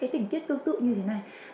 tình tiết tương tự như thế này